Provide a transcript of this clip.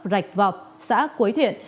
rạch vọc xã quế thiện